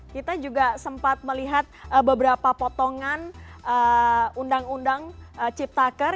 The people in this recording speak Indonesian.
kita juga sempat melihat beberapa potongan undang undang ciptaker